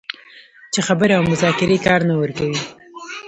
چې خبرې او مذاکرې کار نه ورکوي